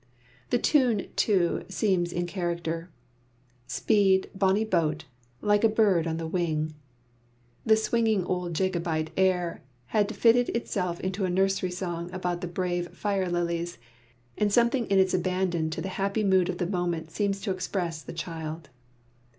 The tune too seems in character "Speed, bonnie boat, like a bird on the wing"; the swinging old Jacobite air had fitted itself to a nursery song about the brave fire lilies, and something in its abandon to the happy mood of the moment seems to express the child.